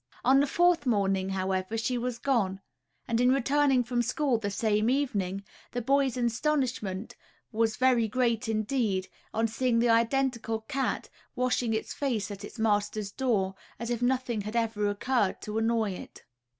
On the fourth morning, however, she was gone; and in returning from school the same evening, the boy's astonishment was very great indeed, on seeing the identical cat, washing its face at its master's door, as if nothing had ever occurred to annoy it.